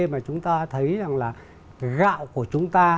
mà chúng ta thấy rằng là gạo của chúng ta